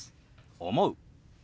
「思う」。